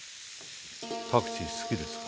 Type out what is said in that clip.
パクチー好きですか？